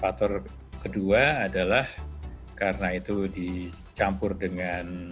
faktor kedua adalah karena itu dicampur dengan